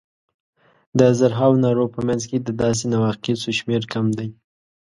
د زرهاوو نارو په منځ کې د داسې نواقصو شمېر کم دی.